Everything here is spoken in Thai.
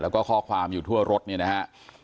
แล้วก็ข้อความอยู่ทั่วรถเนี่ยนะฮะ